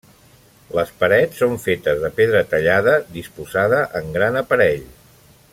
Les parets són fetes de pedra tallada disposada en gran aparell.